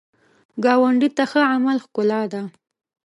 ګاونډي ته ښه عمل ښکلا ده